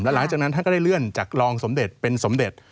หลังจากนั้นท่านก็ได้เลื่อนจากรองสมเด็จเป็นสมเด็จ